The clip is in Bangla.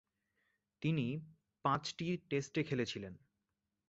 তিনি পাঁচটি টেস্টে খেলেছিলেন।